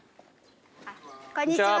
こんにちは。